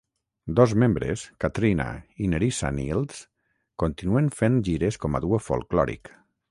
Dos membres, Katryna i Nerissa Nields, continuen fent gires com a duo folklòric.